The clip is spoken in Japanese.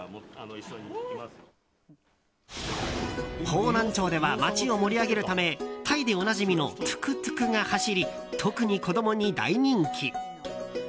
方南町では街を盛り上げるためタイでおなじみのトゥクトゥクが走り特に子供に大人気。